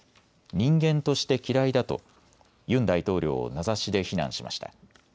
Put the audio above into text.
人間として嫌いだとユン大統領を名指しで非難しました。